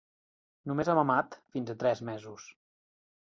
Només ha mamat fins a tres mesos.